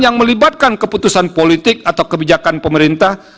yang melibatkan keputusan politik atau kebijakan pemerintah